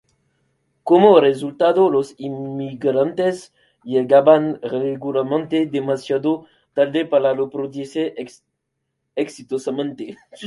Como resultado, los inmigrantes llegaban regularmente demasiado tarde para reproducirse exitosamente.